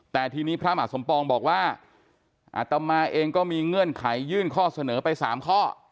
แต่ทีนี้พระมหาสมปองบอกว่าอัตมาเองก็มีเงื่อนไขยื่นข้อเสนอไป๓ข้อ